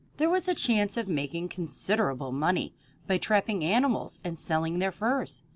There was a chance of making considerable money by trapping animals and selling their furs.